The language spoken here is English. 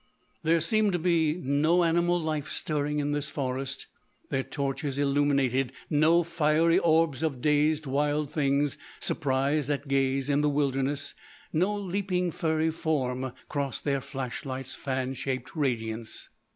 There seemed to be no animal life stirring in this forest; their torches illuminated no fiery orbs of dazed wild things surprised at gaze in the wilderness; no leaping furry form crossed their flashlights' fan shaped radiance.